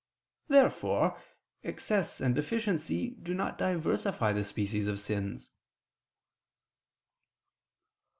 Therefore excess and deficiency do not diversify the species of sins.